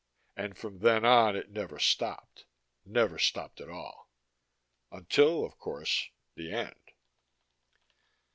And from then on it never stopped, never stopped at all Until, of course, the end.